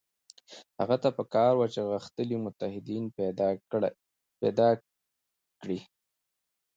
هغه ته په کار وه چې غښتلي متحدین پیدا کړي وای.